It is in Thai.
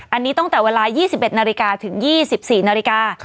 อันนี้ตั้งแต่เวลา๒๑นาฬิกาถึง๒๔นาฬิกา